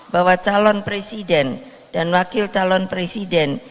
bahwa calon presiden dan wakil calon presiden